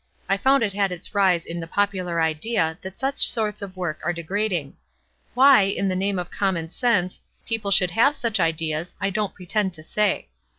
I found it had its rise in the popular idea that such sorts of work arc de grading. Why, in the name of common sense, people should have such ideas, I don't pretend to say.